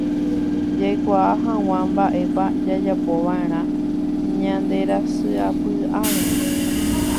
jaikuaa hag̃ua mba'épa jajapova'erã ñanderasysapy'árõ